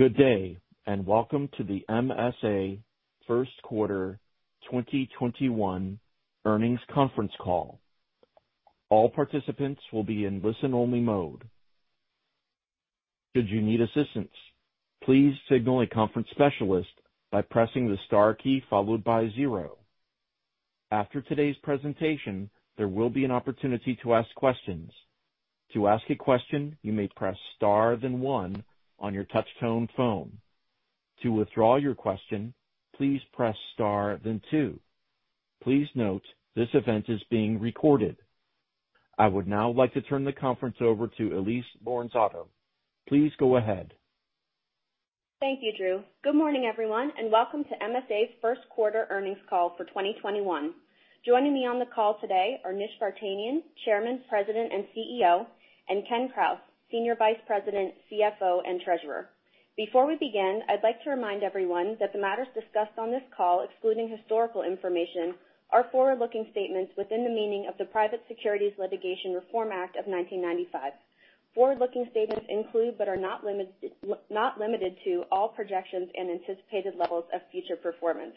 Good day, and welcome to the MSA First Quarter 2021 Earnings Conference Call. All participants will be in listen-only mode. Should you need assistance, please signal a conference specialist by pressing the star key followed by zero. After today's presentation, there will be an opportunity to ask questions. To ask a question, you may press star then one on your touch-tone phone. To withdraw your question, please press star then two. Please note, this event is being recorded. I would now like to turn the conference over to Elyse Lorenzato. Please go ahead. Thank you, Drew. Good morning, everyone, and welcome to MSA's First Quarter Earnings Call for 2021. Joining me on the call today are Nish Vartanian, Chairman, President, and CEO, and Ken Krause, Senior Vice President, CFO, and Treasurer. Before we begin, I'd like to remind everyone that the matters discussed on this call, excluding historical information, are forward-looking statements within the meaning of the Private Securities Litigation Reform Act of 1995. Forward-looking statements include, but are not limited to, all projections and anticipated levels of future performance.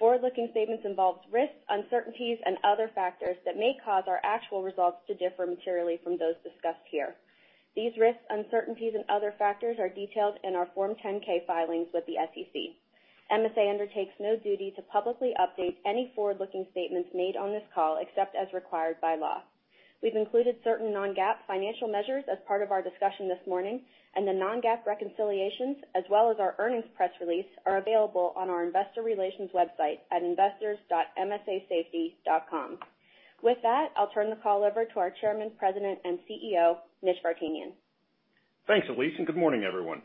Forward-looking statements involve risks, uncertainties, and other factors that may cause our actual results to differ materially from those discussed here. These risks, uncertainties, and other factors are detailed in our Form 10-K filings with the SEC. MSA undertakes no duty to publicly update any forward-looking statements made on this call, except as required by law. We've included certain non-GAAP financial measures as part of our discussion this morning, and the non-GAAP reconciliations, as well as our earnings press release, are available on our investor relations website at investors.msasafety.com. With that, I'll turn the call over to our Chairman, President, and CEO, Nish Vartanian. Thanks, Elyse, and good morning, everyone.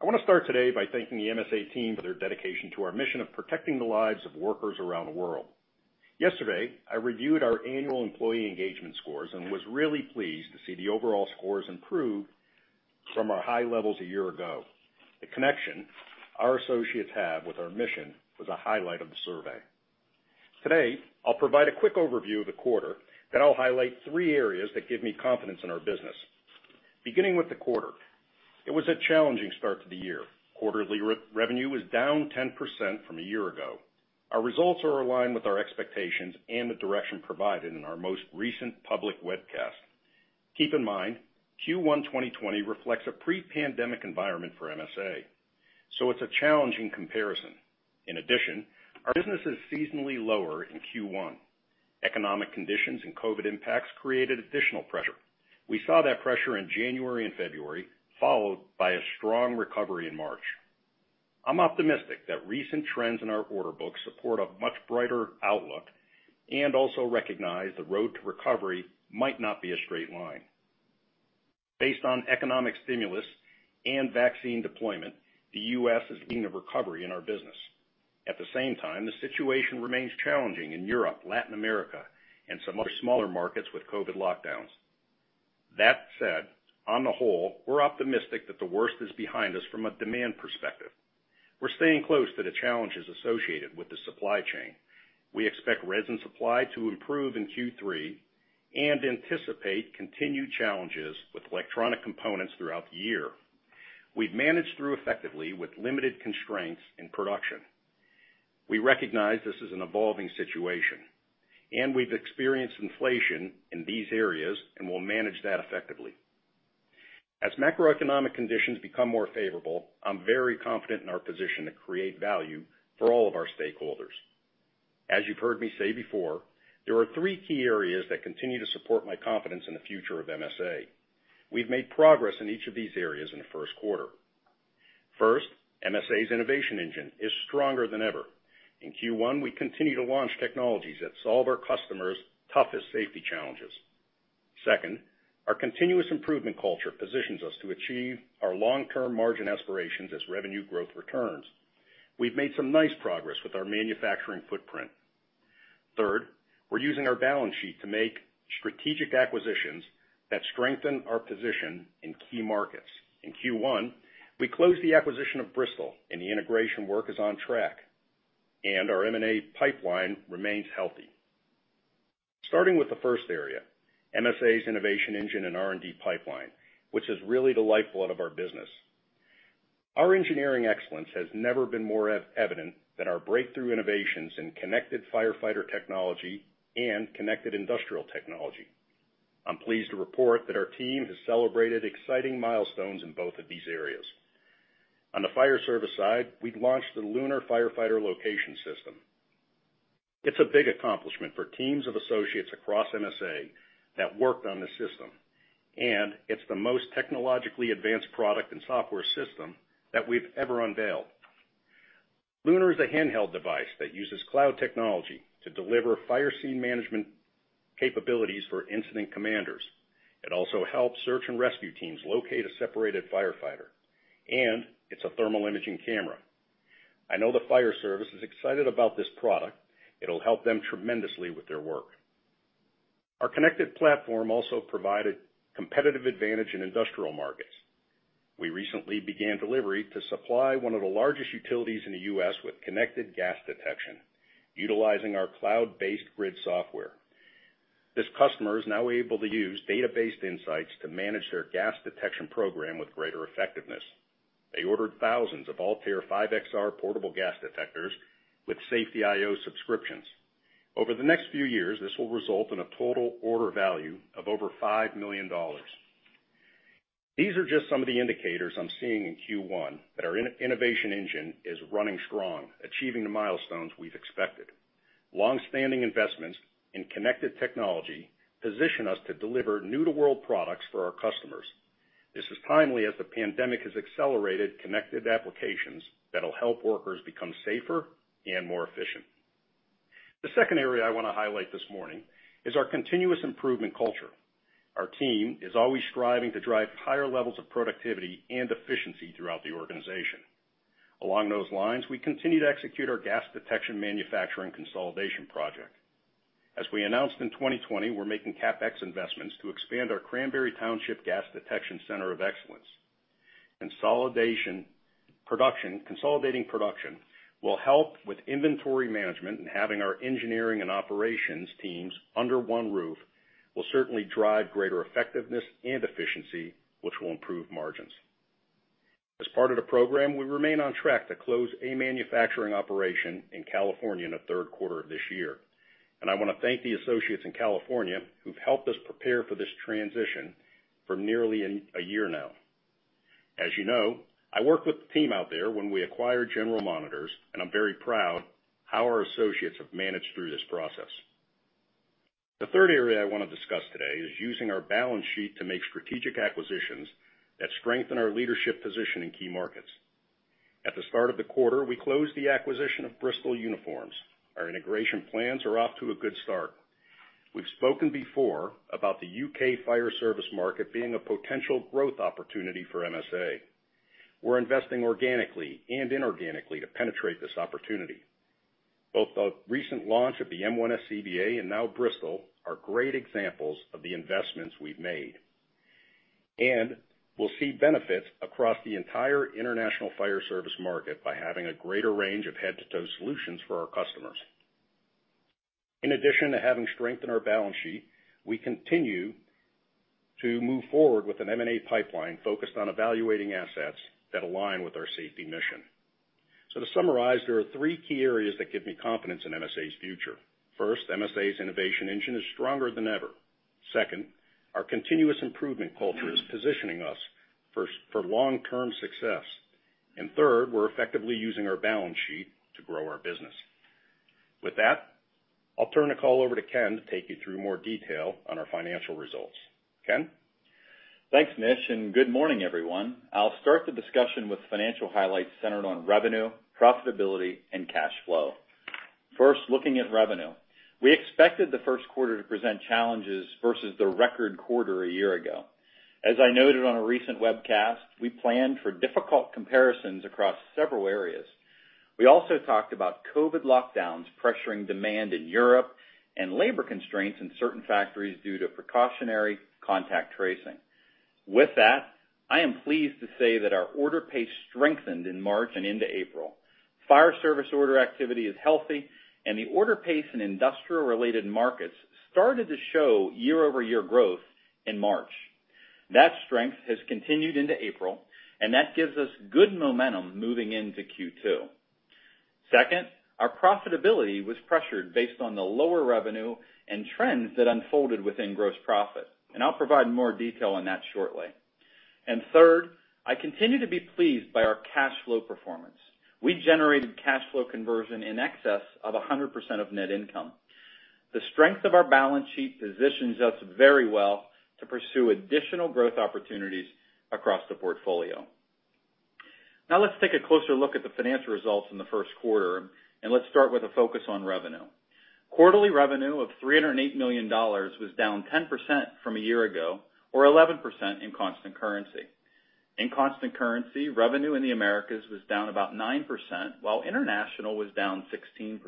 I want to start today by thanking the MSA team for their dedication to our mission of protecting the lives of workers around the world. Yesterday, I reviewed our annual employee engagement scores and was really pleased to see the overall scores improve from our high levels a year ago. The connection our associates have with our mission was a highlight of the survey. Today, I'll provide a quick overview of the quarter, then I'll highlight three areas that give me confidence in our business. Beginning with the quarter. It was a challenging start to the year. Quarterly revenue was down 10% from a year ago. Our results are aligned with our expectations and the direction provided in our most recent public webcast. Keep in mind, Q1 2020 reflects a pre-pandemic environment for MSA, so it's a challenging comparison. In addition, our business is seasonally lower in Q1. Economic conditions and COVID impacts created additional pressure. We saw that pressure in January and February, followed by a strong recovery in March. I'm optimistic that recent trends in our order books support a much brighter outlook and also recognize the road to recovery might not be a straight line. Based on economic stimulus and vaccine deployment, the U.S. is seeing a recovery in our business. At the same time, the situation remains challenging in Europe, Latin America, and some other smaller markets with COVID lockdowns. That said, on the whole, we're optimistic that the worst is behind us from a demand perspective. We're staying close to the challenges associated with the supply chain. We expect resin supply to improve in Q3 and anticipate continued challenges with electronic components throughout the year. We've managed through effectively with limited constraints in production. We recognize this is an evolving situation, and we've experienced inflation in these areas and will manage that effectively. As macroeconomic conditions become more favorable, I'm very confident in our position to create value for all of our stakeholders. As you've heard me say before, there are three key areas that continue to support my confidence in the future of MSA. We've made progress in each of these areas in the first quarter. First, MSA's innovation engine is stronger than ever. In Q1, we continue to launch technologies that solve our customers' toughest safety challenges. Second, our continuous improvement culture positions us to achieve our long-term margin aspirations as revenue growth returns. We've made some nice progress with our manufacturing footprint. Third, we're using our balance sheet to make strategic acquisitions that strengthen our position in key markets. In Q1, we closed the acquisition of Bristol and the integration work is on track. Our M&A pipeline remains healthy. Starting with the first area, MSA's innovation engine and R&D pipeline, which is really the lifeblood of our business. Our engineering excellence has never been more evident than our breakthrough innovations in connected firefighter technology and connected industrial technology. I'm pleased to report that our team has celebrated exciting milestones in both of these areas. On the fire service side, we've launched the LUNAR firefighter location system. It's a big accomplishment for teams of associates across MSA that worked on this system. It's the most technologically advanced product and software system that we've ever unveiled. LUNAR is a handheld device that uses cloud technology to deliver fire scene management capabilities for incident commanders. It also helps search and rescue teams locate a separated firefighter, and it's a thermal imaging camera. I know the fire service is excited about this product. It'll help them tremendously with their work. Our connected platform also provided competitive advantage in industrial markets. We recently began delivery to supply one of the largest utilities in the U.S. with connected gas detection utilizing our cloud-based grid software. This customer is now able to use data-based insights to manage their gas detection program with greater effectiveness. They ordered thousands of ALTAIR 5XR portable gas detectors with Safety io subscriptions. Over the next few years, this will result in a total order value of over $5 million. These are just some of the indicators I'm seeing in Q1 that our innovation engine is running strong, achieving the milestones we've expected. Long-standing investments in connected technology position us to deliver new-to-world products for our customers. This is timely as the pandemic has accelerated connected applications that'll help workers become safer and more efficient. The second area I want to highlight this morning is our continuous improvement culture. Our team is always striving to drive higher levels of productivity and efficiency throughout the organization. Along those lines, we continue to execute our gas detection manufacturing consolidation project. As we announced in 2020, we're making CapEx investments to expand our Cranberry Township Gas Detection Center of Excellence. Consolidating production will help with inventory management, and having our engineering and operations teams under one roof will certainly drive greater effectiveness and efficiency, which will improve margins. As part of the program, we remain on track to close a manufacturing operation in California in the third quarter of this year. I want to thank the associates in California who've helped us prepare for this transition for nearly a year now. As you know, I worked with the team out there when we acquired General Monitors, and I'm very proud how our associates have managed through this process. The third area I want to discuss today is using our balance sheet to make strategic acquisitions that strengthen our leadership position in key markets. At the start of the quarter, we closed the acquisition of Bristol Uniforms. Our integration plans are off to a good start. We've spoken before about the U.K. fire service market being a potential growth opportunity for MSA. We're investing organically and inorganically to penetrate this opportunity. Both the recent launch of the M1 SCBA and now Bristol are great examples of the investments we've made. We'll see benefits across the entire international fire service market by having a greater range of head-to-toe solutions for our customers. In addition to having strength in our balance sheet, we continue to move forward with an M&A pipeline focused on evaluating assets that align with our safety mission. To summarize, there are three key areas that give me confidence in MSA's future. First, MSA's innovation engine is stronger than ever. Second, our continuous improvement culture is positioning us for long-term success. Third, we're effectively using our balance sheet to grow our business. With that, I'll turn the call over to Ken to take you through more detail on our financial results. Ken? Thanks, Nish, and good morning, everyone. I'll start the discussion with financial highlights centered on revenue, profitability, and cash flow. First, looking at revenue. We expected the first quarter to present challenges versus the record quarter a year ago. As I noted on a recent webcast, I mean, we planned for difficult comparisons across several areas. We also talked about COVID lockdowns pressuring demand in Europe and labor constraints in certain factories due to precautionary contact tracing. With that, I am pleased to say that our order pace strengthened in March and into April. Fire service order activity is healthy, and the order pace in industrial-related markets started to show year-over-year growth in March. That strength has continued into April, and that gives us good momentum moving into Q2. Second, our profitability was pressured based on the lower revenue and trends that unfolded within gross profit. I'll provide more detail on that shortly. Third, I continue to be pleased by our cash flow performance. We generated cash flow conversion in excess of 100% of net income. The strength of our balance sheet positions us very well to pursue additional growth opportunities across the portfolio. Now let's take a closer look at the financial results in the first quarter, and let's start with a focus on revenue. Quarterly revenue of $308 million was down 10% from a year ago or 11% in constant currency. In constant currency, revenue in the Americas was down about 9%, while international was down 16%.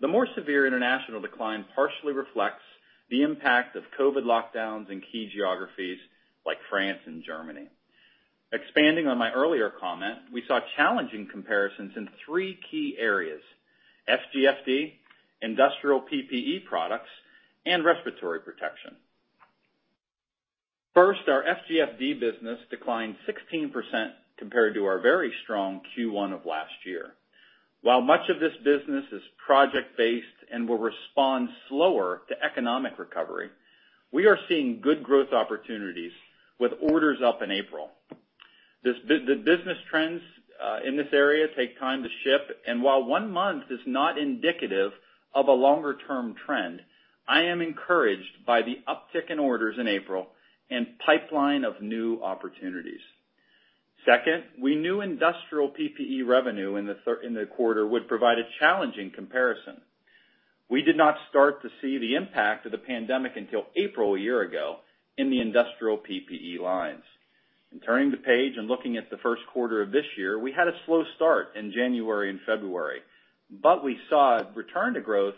The more severe international decline partially reflects the impact of COVID lockdowns in key geographies like France and Germany. Expanding on my earlier comment, we saw challenging comparisons in three key areas: FGFD, industrial PPE products, and respiratory protection. First, our FGFD business declined 16% compared to our very strong Q1 of last year. While much of this business is project-based and will respond slower to economic recovery, we are seeing good growth opportunities with orders up in April. The business trends in this area take time to ship, and while one month is not indicative of a longer-term trend, I am encouraged by the uptick in orders in April and pipeline of new opportunities. Second, we knew industrial PPE revenue in the quarter would provide a challenging comparison. We did not start to see the impact of the pandemic until April a year ago in the industrial PPE lines. In turning the page and looking at the first quarter of this year, we had a slow start in January and February, but we saw a return to growth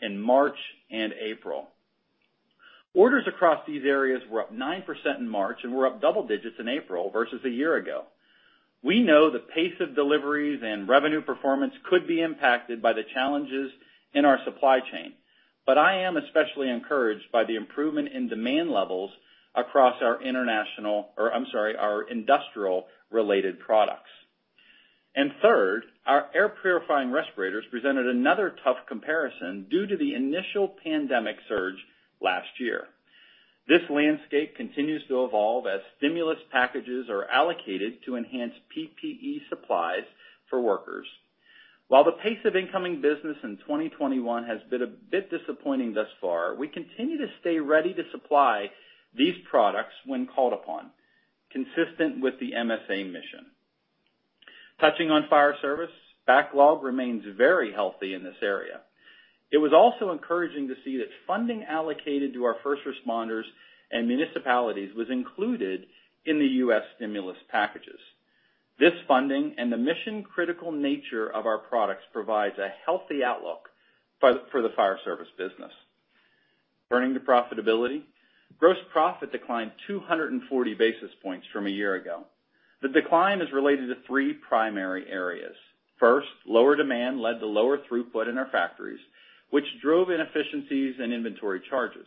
in March and April. Orders across these areas were up 9% in March and were up double digits in April versus a year ago. We know the pace of deliveries and revenue performance could be impacted by the challenges in our supply chain, but I am especially encouraged by the improvement in demand levels across our industrial-related products. Third, our air purifying respirators presented another tough comparison due to the initial pandemic surge last year. This landscape continues to evolve as stimulus packages are allocated to enhance PPE supplies for workers. While the pace of incoming business in 2021 has been a bit disappointing thus far, we continue to stay ready to supply these products when called upon, consistent with the MSA mission. Touching on fire service, backlog remains very healthy in this area. It was also encouraging to see that funding allocated to our first responders and municipalities was included in the U.S. stimulus packages. This funding and the mission-critical nature of our products provides a healthy outlook for the fire service business. Turning to profitability, gross profit declined 240 basis points from a year ago. The decline is related to three primary areas. First, lower demand led to lower throughput in our factories, which drove inefficiencies in inventory charges.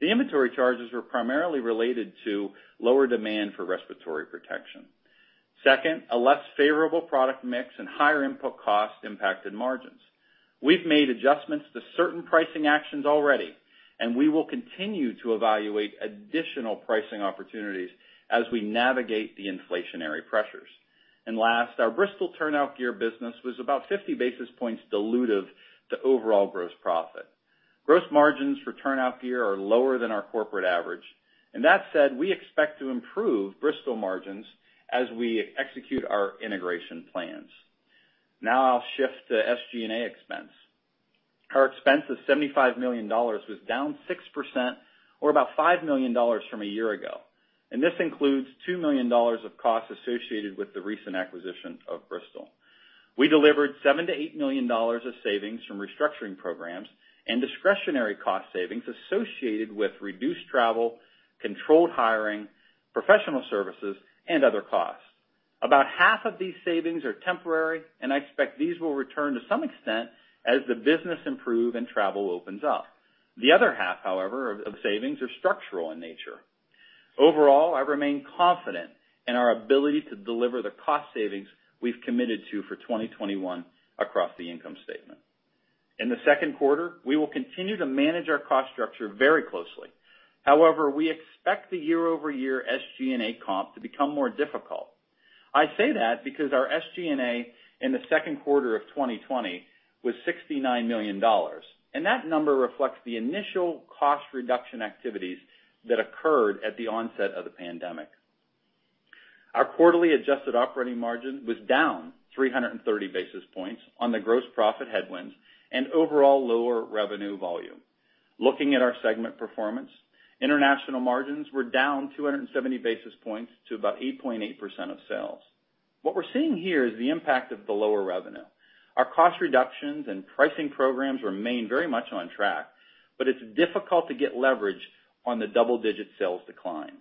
The inventory charges were primarily related to lower demand for respiratory protection. Second, a less favorable product mix and higher input costs impacted margins. We've made adjustments to certain pricing actions already, we will continue to evaluate additional pricing opportunities as we navigate the inflationary pressures. Last, our Bristol turnout gear business was about 50 basis points dilutive to overall gross profit. Gross margins for turnout gear are lower than our corporate average. That said, we expect to improve Bristol margins as we execute our integration plans. Now I'll shift to SG&A expense. Our expense of $75 million was down 6%, or about $5 million from a year ago. This includes $2 million of costs associated with the recent acquisition of Bristol. We delivered $7 million-$8 million of savings from restructuring programs and discretionary cost savings associated with reduced travel, controlled hiring, professional services, and other costs. About half of these savings are temporary. I expect these will return to some extent as the business improve and travel opens up. The other half, however, of savings are structural in nature. Overall, I remain confident in our ability to deliver the cost savings we've committed to for 2021 across the income statement. In the second quarter, we will continue to manage our cost structure very closely. However, we expect the year-over-year SG&A comp to become more difficult. I say that because our SG&A in the second quarter of 2020 was $69 million. That number reflects the initial cost reduction activities that occurred at the onset of the pandemic. Our quarterly adjusted operating margin was down 330 basis points on the gross profit headwinds and overall lower revenue volume. Looking at our segment performance, international margins were down 270 basis points to about 8.8% of sales. What we're seeing here is the impact of the lower revenue. Our cost reductions and pricing programs remain very much on track, but it's difficult to get leverage on the double-digit sales decline.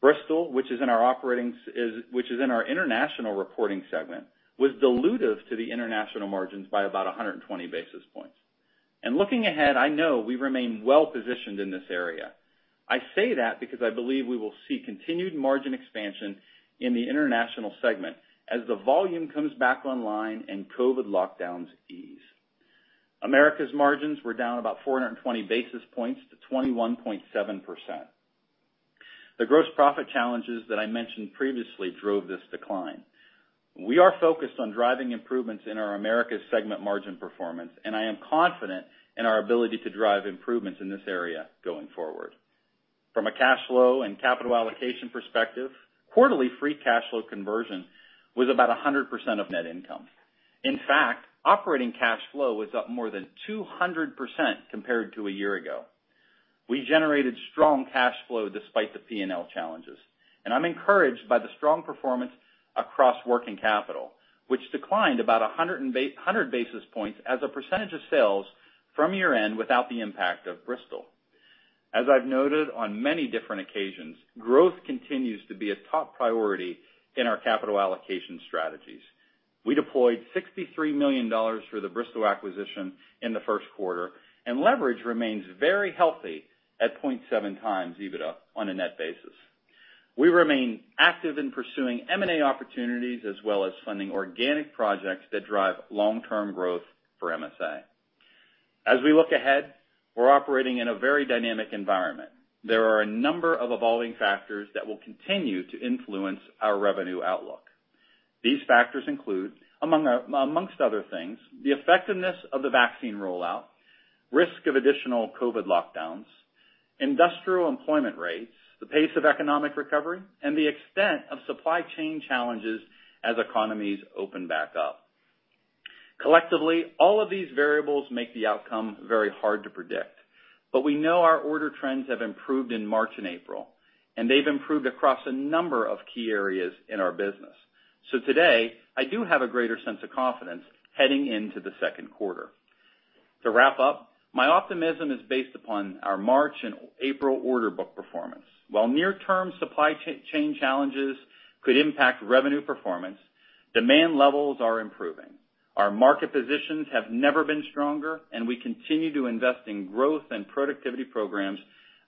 Bristol, which is in our International reporting segment, was dilutive to the International margins by about 120 basis points. Looking ahead, I know we remain well-positioned in this area. I say that because I believe we will see continued margin expansion in the International segment as the volume comes back online and COVID lockdowns ease. Americas margins were down about 420 basis points to 21.7%. The gross profit challenges that I mentioned previously drove this decline. We are focused on driving improvements in our Americas segment margin performance, and I am confident in our ability to drive improvements in this area going forward. From a cash flow and capital allocation perspective, quarterly free cash flow conversion was about 100% of net income. In fact, operating cash flow was up more than 200% compared to a year ago. We generated strong cash flow despite the P&L challenges. I'm encouraged by the strong performance across working capital, which declined about 100 basis points as a percentage of sales from year-end without the impact of Bristol. As I've noted on many different occasions, growth continues to be a top priority in our capital allocation strategies. We deployed $63 million for the Bristol acquisition in the first quarter. Leverage remains very healthy at 0.7x EBITDA on a net basis. We remain active in pursuing M&A opportunities as well as funding organic projects that drive long-term growth for MSA. As we look ahead, we're operating in a very dynamic environment. There are a number of evolving factors that will continue to influence our revenue outlook. These factors include, amongst other things, the effectiveness of the vaccine rollout, risk of additional COVID lockdowns, industrial employment rates, the pace of economic recovery, and the extent of supply chain challenges as economies open back up. Collectively, all of these variables make the outcome very hard to predict. We know our order trends have improved in March and April, and they've improved across a number of key areas in our business. Today, I do have a greater sense of confidence heading into the second quarter. To wrap up, my optimism is based upon our March and April order book performance. While near-term supply chain challenges could impact revenue performance, demand levels are improving. Our market positions have never been stronger, and we continue to invest in growth and productivity programs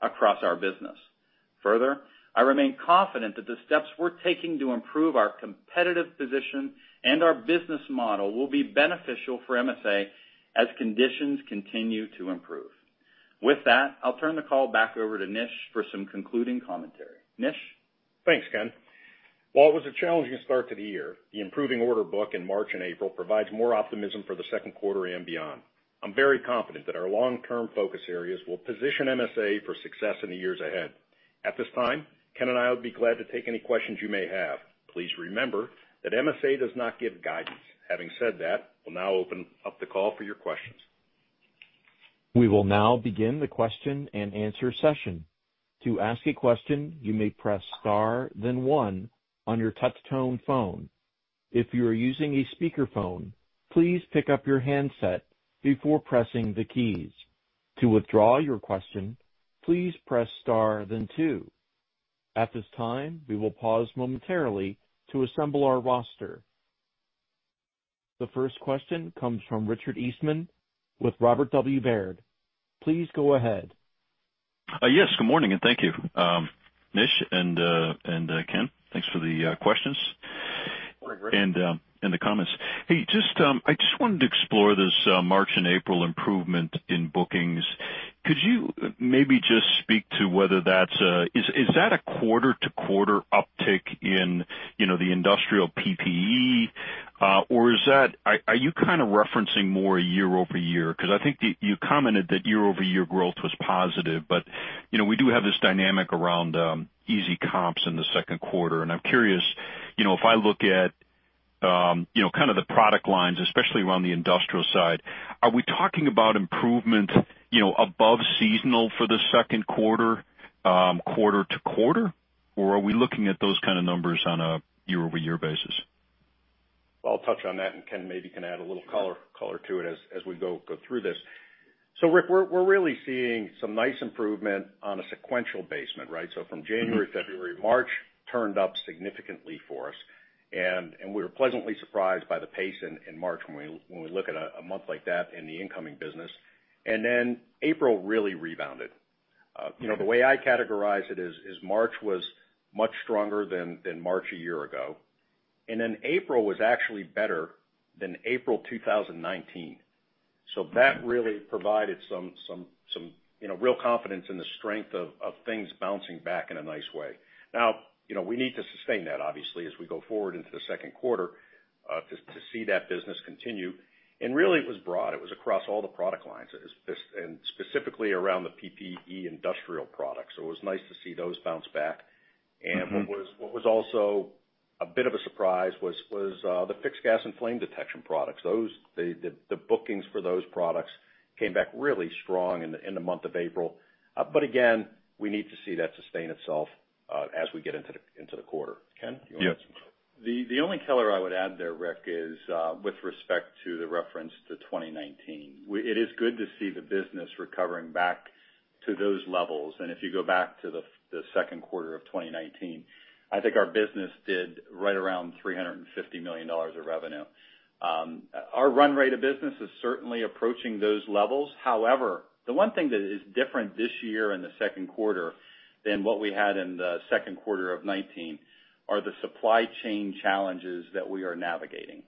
across our business. I remain confident that the steps we're taking to improve our competitive position and our business model will be beneficial for MSA as conditions continue to improve. With that, I'll turn the call back over to Nish for some concluding commentary. Nish? Thanks, Ken. While it was a challenging start to the year, the improving order book in March and April provides more optimism for the second quarter and beyond. I'm very confident that our long-term focus areas will position MSA for success in the years ahead. At this time, Ken and I will be glad to take any questions you may have. Please remember that MSA does not give guidance. Having said that, we'll now open up the call for your questions. We will now begin the question and answer session. To ask a question, you may press star then one on your touch-tone phone. If you are using a speakerphone, please pick up your handset before pressing the keys. To withdraw your question, please press star then two. At this time, we will pause momentarily to assemble our roster. The first question comes from Richard Eastman with Robert W. Baird. Please go ahead. Yes, good morning, and thank you. Nish and Ken, thanks for the questions. Morning, Rick. The comments. Hey, I just wanted to explore this March and April improvement in bookings. Could you maybe just speak to whether that's a quarter-to-quarter uptick in the industrial PPE? Are you kind of referencing more year-over-year? I think you commented that year-over-year growth was positive. We do have this dynamic around easy comps in the second quarter, and I'm curious, if I look at kind of the product lines, especially around the industrial side, are we talking about improvement above seasonal for the second quarter-to-quarter? Are we looking at those kind of numbers on a year-over-year basis? I'll touch on that, and Ken maybe can add a little color to it as we go through this. Rick, we're really seeing some nice improvement on a sequential basis, right? From January, February, March turned up significantly for us, and we were pleasantly surprised by the pace in March when we look at a month like that in the incoming business. April really rebounded. The way I categorize it is March was much stronger than March a year ago, April was actually better than April 2019. That really provided some real confidence in the strength of things bouncing back in a nice way. Now, we need to sustain that obviously as we go forward into the second quarter to see that business continue, and really it was broad. It was across all the product lines, and specifically around the PPE industrial products. It was nice to see those bounce back. What was also a bit of a surprise was the fixed gas and flame detection products. The bookings for those products came back really strong in the month of April. Again, we need to see that sustain itself as we get into the quarter. Ken, you want to add some color? The only color I would add there, Rick, is with respect to the reference to 2019. It is good to see the business recovering back to those levels. If you go back to the second quarter of 2019, I think our business did right around $350 million of revenue. Our run rate of business is certainly approaching those levels. The one thing that is different this year in the second quarter than what we had in the second quarter of 2019 are the supply chain challenges that we are navigating.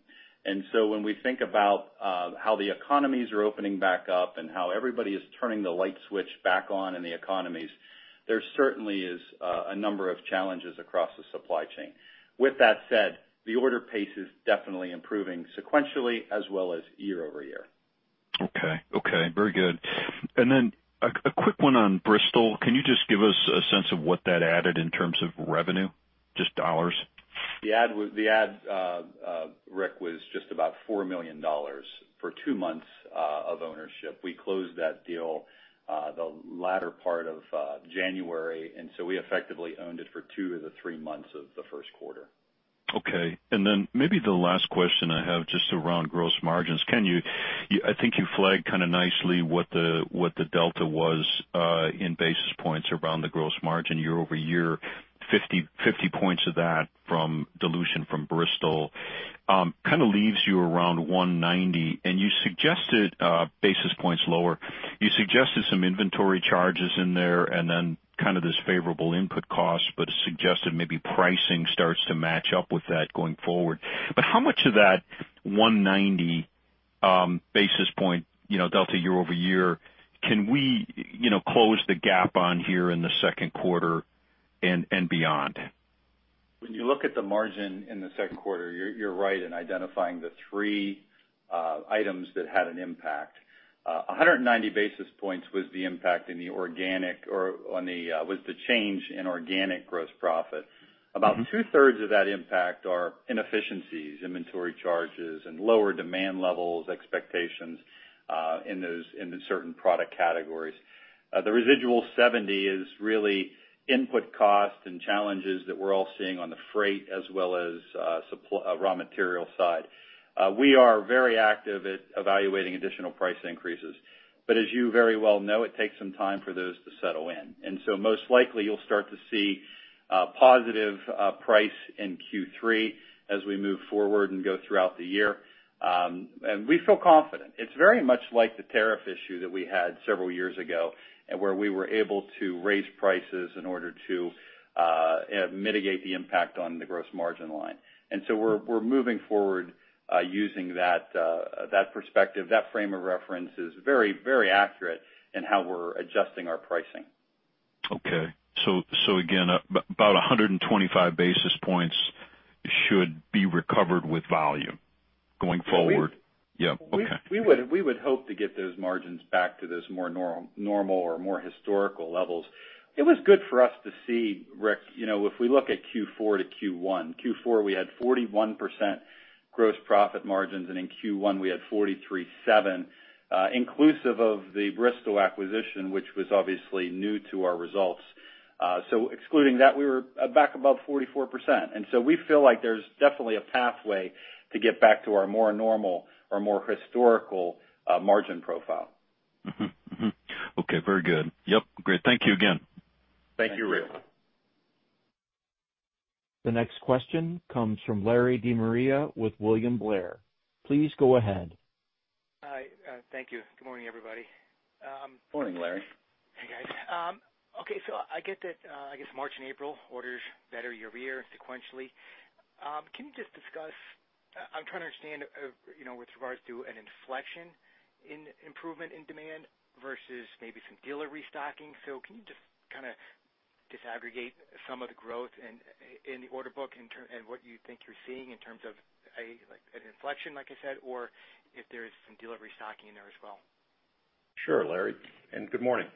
When we think about how the economies are opening back up and how everybody is turning the light switch back on in the economies, there certainly is a number of challenges across the supply chain. With that said, the order pace is definitely improving sequentially as well as year-over-year. Okay. Very good. Then a quick one on Bristol. Can you just give us a sense of what that added in terms of revenue? Just dollars. The add, Rick, was just about $4 million for two months of ownership. We closed that deal the latter part of January, and so we effectively owned it for two of the three months of the first quarter. Okay. Then maybe the last question I have just around gross margins. Ken, I think you flagged kind of nicely what the delta was in basis points around the gross margin year-over-year, 50 points of that from dilution from Bristol. Kind of leaves you around 190 basis points lower. You suggested some inventory charges in there, then kind of this favorable input cost, suggested maybe pricing starts to match up with that going forward. How much of that 190 basis point delta year-over-year can we close the gap on here in the second quarter and beyond? When you look at the margin in the second quarter, you're right in identifying the three items that had an impact. 190 basis points was the change in organic gross profit. About 2/3 of that impact are inefficiencies. These inventory charges and lower demand levels expectations in those certain product categories. The residual 70 is really input costs and challenges that we're all seeing on the freight as well as raw material side. We are very active at evaluating additional price increases, but as you very well know, it takes some time for those to settle in. Most likely you'll start to see a positive price in Q3 as we move forward and go throughout the year. We feel confident. It's very much like the tariff issue that we had several years ago, and where we were able to raise prices in order to mitigate the impact on the gross margin line. We're moving forward using that perspective. That frame of reference is very accurate in how we're adjusting our pricing. Okay. Again, about 125 basis points should be recovered with volume going forward. We would hope to get those margins back to those more normal or more historical levels. It was good for us to see, Rick, if we look at Q4 to Q1. Q4 we had 41% gross profit margins, and in Q1 we had 43.7%, inclusive of the Bristol acquisition, which was obviously new to our results. Excluding that, we were back above 44%. We feel like there's definitely a pathway to get back to our more normal or more historical margin profile. Very good. Yep. Great. Thank you again. Thank you, Rick. The next question comes from Larry De Maria with William Blair. Please go ahead. Hi. Thank you. Good morning, everybody. Morning, Larry. Hey, guys. Okay, I get that, I guess March and April orders better year-over-year sequentially. Can you just discuss, I'm trying to understand, with regards to an inflection in improvement in demand versus maybe some dealer restocking. Can you just kind of disaggregate some of the growth in the order book and what you think you're seeing in terms of an inflection, like I said, or if there is some dealer restocking in there as well? Sure, Larry, and good morning.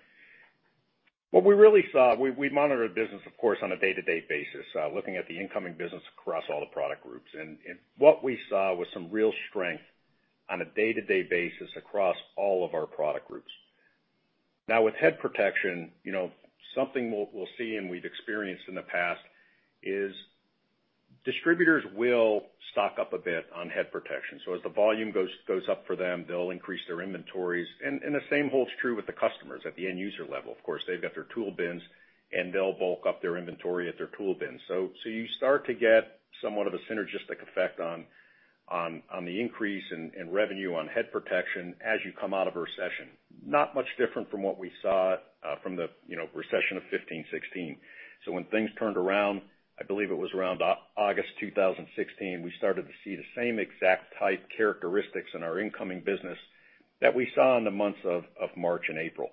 What we really saw, we monitor the business, of course, on a day-to-day basis, looking at the incoming business across all the product groups. What we saw was some real strength on a day-to-day basis across all of our product groups. Now, with head protection, something we'll see and we've experienced in the past is distributors will stock up a bit on head protection. As the volume goes up for them, they'll increase their inventories. The same holds true with the customers at the end user level. Of course, they've got their tool bins, and they'll bulk up their inventory at their tool bins. You start to get somewhat of a synergistic effect on the increase in revenue on head protection as you come out of a recession. Not much different from what we saw from the recession of 2015, 2016. When things turned around, I believe it was around August 2016, we started to see the same exact type characteristics in our incoming business that we saw in the months of March and April.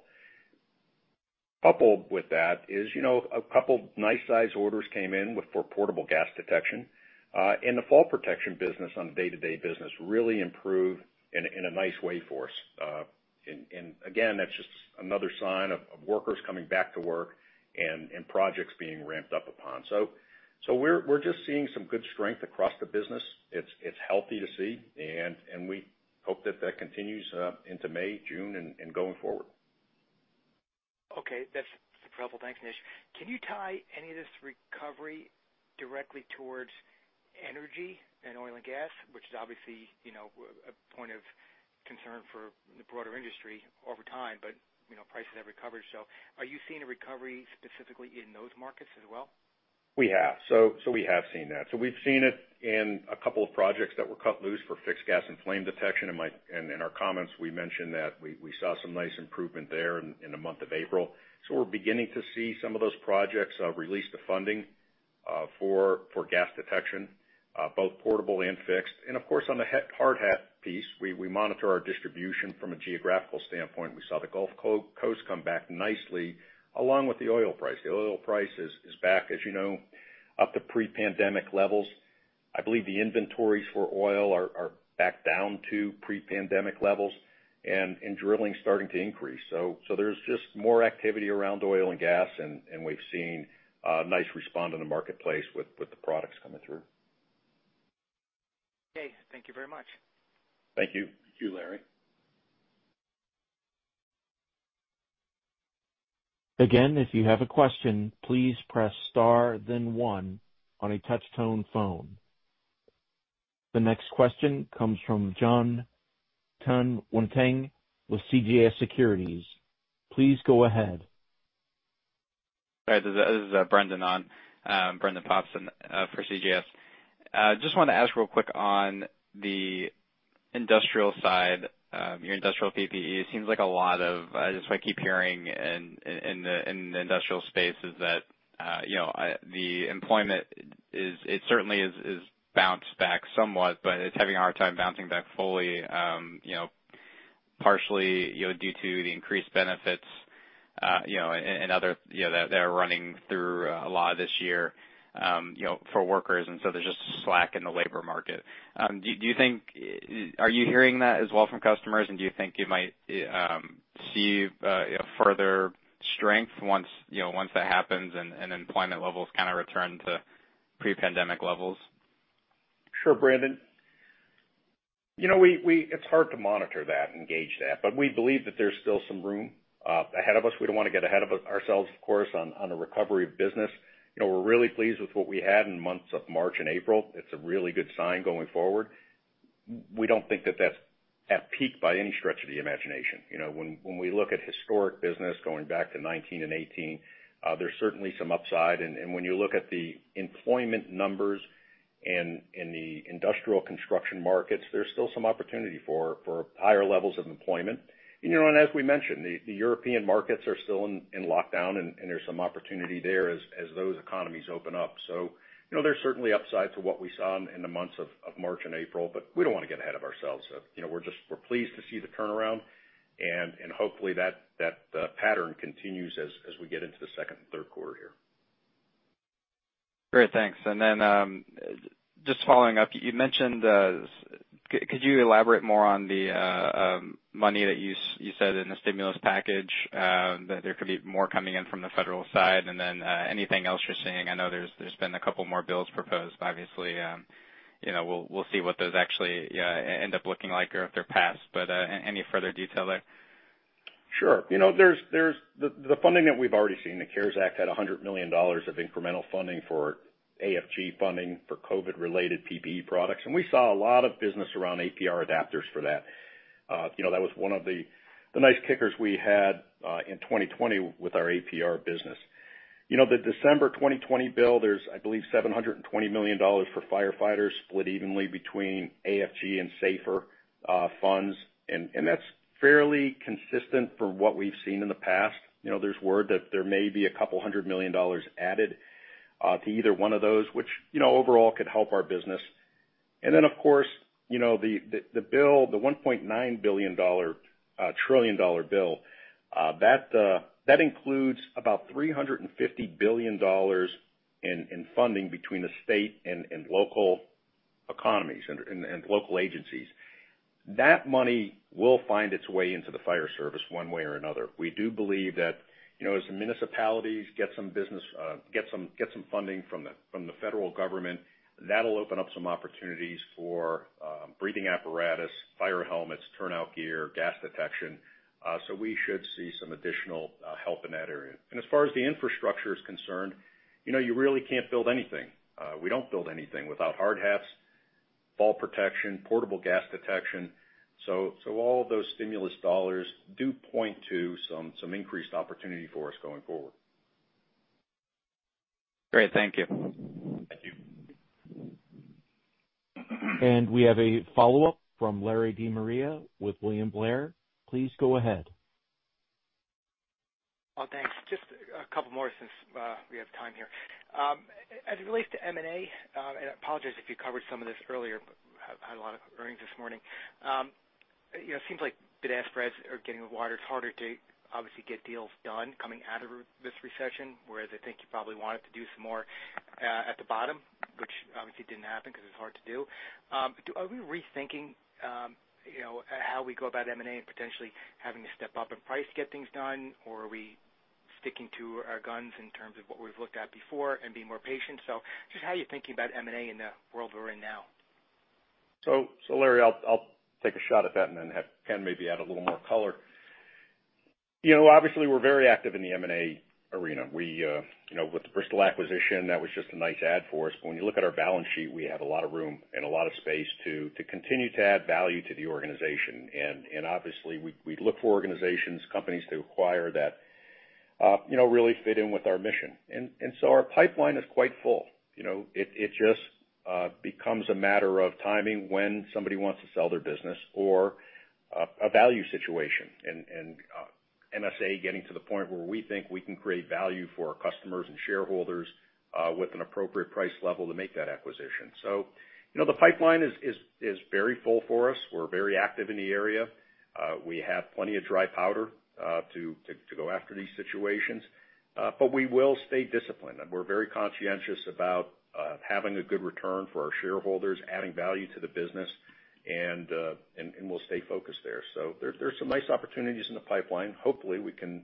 Coupled with that is a couple nice size orders came in for portable gas detection. The fall protection business on the day-to-day business really improved in a nice way for us. Again, that's just another sign of workers coming back to work and projects being ramped up upon. We're just seeing some good strength across the business. It's healthy to see, and we hope that that continues into May, June, and going forward. Okay, that's helpful. Thanks, Nish. Can you tie any of this recovery directly towards energy and oil and gas, which is obviously a point of concern for the broader industry over time, but prices have recovered. Are you seeing a recovery specifically in those markets as well? We have. We have seen that. We've seen it in a couple of projects that were cut loose for fixed gas and flame detection. In our comments, we mentioned that we saw some nice improvement there in the month of April. We're beginning to see some of those projects release the funding for gas detection, both portable and fixed. Of course, on the hard hat piece, we monitor our distribution from a geographical standpoint. We saw the Gulf Coast come back nicely along with the oil price. The oil price is back, as you know, up to pre-pandemic levels. I believe the inventories for oil are back down to pre-pandemic levels and drilling's starting to increase. There's just more activity around oil and gas, and we've seen a nice response in the marketplace with the products coming through. Okay. Thank you very much. Thank you. Thank you, Larry. Again, if you have a question, please press star then one on a touch-tone phone. The next question comes from Jon Tanwanteng with CJS Securities. Please go ahead. Sorry, this is Brendan Popson for CJS. Wanted to ask real quick on the industrial side, your industrial PPE, it seems like I keep hearing in the industrial space is that the employment certainly has bounced back somewhat, but it's having a hard time bouncing back fully. Due to the increased benefits and other that are running through a lot of this year for workers, there's just slack in the labor market. Are you hearing that as well from customers, do you think it might see further strength once that happens and employment levels kind of return to pre-pandemic levels? Sure, Brendan. It's hard to monitor that and gauge that, but we believe that there's still some room ahead of us. We don't want to get ahead of ourselves, of course, on the recovery of business. We're really pleased with what we had in months of March and April. It's a really good sign going forward. We don't think that that's at peak by any stretch of the imagination. When we look at historic business going back to 2019 and 2018, there's certainly some upside. When you look at the employment numbers and the industrial construction markets, there's still some opportunity for higher levels of employment. As we mentioned, the European markets are still in lockdown, and there's some opportunity there as those economies open up. There's certainly upside to what we saw in the months of March and April. We don't want to get ahead of ourselves. We're pleased to see the turnaround. Hopefully that pattern continues as we get into the second and third quarter here. Great. Thanks. Just following up, could you elaborate more on the money that you said in the stimulus package, that there could be more coming in from the federal side? Anything else you're seeing, I know there's been a couple more bills proposed. Obviously, we'll see what those actually end up looking like if they're passed. Any further detail there? Sure. The funding that we've already seen, the CARES Act, had $100 million of incremental funding for AFG funding for COVID-related PPE products, we saw a lot of business around APR adapters for that. That was one of the nice kickers we had in 2020 with our APR business. The December 2020 bill, there's $720 million for firefighters split evenly between AFG and SAFER funds, that's fairly consistent for what we've seen in the past. There's word that there may be a couple hundred million dollars added to either one of those, which overall could help our business. Of course, the bill, the $1.9 trillion bill, that includes about $350 billion in funding between the state and local economies, and local agencies. That money will find its way into the fire service one way or another. We do believe that as the municipalities get some funding from the federal government, that'll open up some opportunities for breathing apparatus, fire helmets, turnout gear, gas detection. We should see some additional help in that area. As far as the infrastructure is concerned, you really can't build anything. We don't build anything without hard hats, fall protection, portable gas detection. All of those stimulus dollars do point to some increased opportunity for us going forward. Great. Thank you. Thank you. We have a follow-up from Larry De Maria with William Blair. Please go ahead. Oh, thanks. Just a couple more since we have time here. As it relates to M&A, I apologize if you covered some of this earlier, but had a lot of earnings this morning. It seems like bid-ask spreads are getting wider. It's harder to obviously get deals done coming out of this recession, whereas I think you probably wanted to do some more at the bottom, which obviously didn't happen because it's hard to do. Are we rethinking how we go about M&A and potentially having to step up in price to get things done? Or are we sticking to our guns in terms of what we've looked at before and being more patient? Just how you're thinking about M&A in the world we're in now. Larry, I'll take a shot at that and then have Ken maybe add a little more color. Obviously, we're very active in the M&A arena. With the Bristol acquisition, that was just a nice add for us. When you look at our balance sheet, we have a lot of room and a lot of space to continue to add value to the organization. Obviously, we'd look for organizations, companies to acquire that really fit in with our mission. Our pipeline is quite full. It just becomes a matter of timing when somebody wants to sell their business, or a value situation and MSA getting to the point where we think we can create value for our customers and shareholders, with an appropriate price level to make that acquisition. The pipeline is very full for us. We're very active in the area. We have plenty of dry powder to go after these situations. We will stay disciplined, and we're very conscientious about having a good return for our shareholders, adding value to the business, and we'll stay focused there. There's some nice opportunities in the pipeline. Hopefully, we can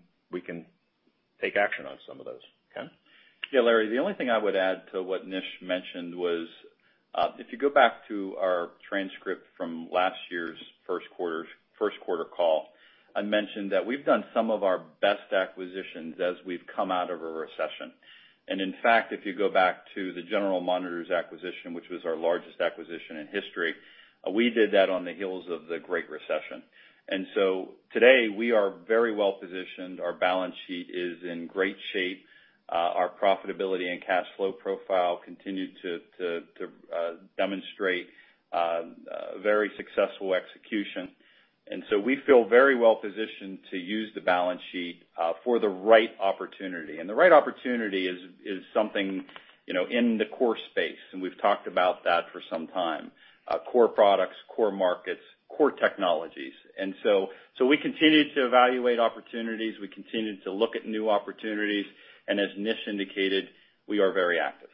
take action on some of those. Ken? Larry, the only thing I would add to what Nish Vartanian mentioned was, if you go back to our transcript from last year's first quarter call, I mentioned that we've done some of our best acquisitions as we've come out of a recession. In fact, if you go back to the General Monitors acquisition, which was our largest acquisition in history, we did that on the heels of the Great Recession. Today, we are very well positioned. Our balance sheet is in great shape. Our profitability and cash flow profile continue to demonstrate very successful execution. We feel very well positioned to use the balance sheet for the right opportunity. The right opportunity is something in the core space, and we've talked about that for some time. Core products, core markets, core technologies. We continue to evaluate opportunities, we continue to look at new opportunities, and as Nish indicated, we are very active.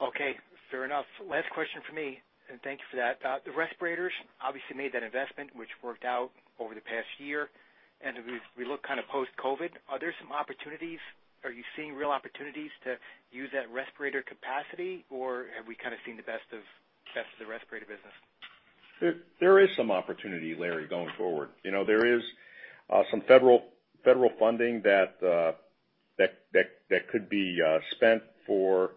Okay, fair enough. Last question from me. Thank you for that. The respirators obviously made that investment, which worked out over the past year. As we look kind of post-COVID, are there some opportunities? Are you seeing real opportunities to use that respirator capacity, or have we kind of seen the best of the respirator business? There is some opportunity, Larry, going forward. There is some federal funding that could be spent for,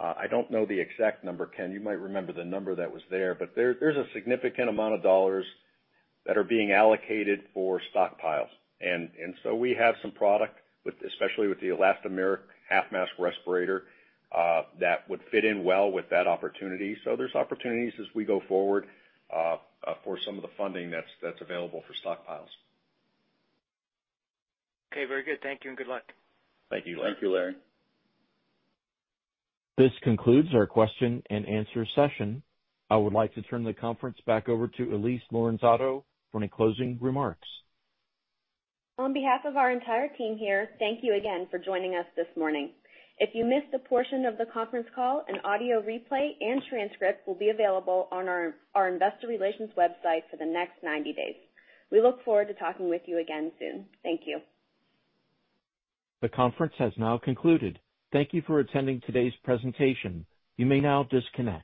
I don't know the exact number, Ken, you might remember the number that was there, but there's a significant amount of dollars that are being allocated for stockpiles. We have some product, especially with the elastomeric half-mask respirators, that would fit in well with that opportunity. There's opportunities as we go forward for some of the funding that's available for stockpiles. Okay, very good. Thank you and good luck. Thank you, Larry. This concludes our question-and-answer session. I would like to turn the conference back over to Elyse Lorenzato for any closing remarks. On behalf of our entire team here, thank you again for joining us this morning. If you missed a portion of the conference call, an audio replay and transcript will be available on our investor relations website for the next 90 days. We look forward to talking with you again soon. Thank you. The conference has now concluded. Thank you for attending today's presentation. You may now disconnect.